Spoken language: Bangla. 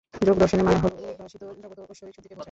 যোগ দর্শনে মায়া হল উদ্ভাসিত জগৎ ও ঐশ্বরিক শক্তিকে বোঝায়।